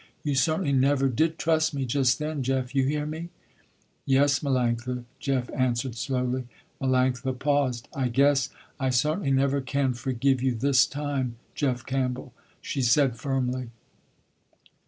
You certainly never did trust me just then, Jeff, you hear me?" "Yes, Melanctha," Jeff answered slowly. Melanctha paused. "I guess I certainly never can forgive you this time, Jeff Campbell," she said firmly.